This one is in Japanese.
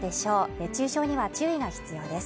熱中症には注意が必要です。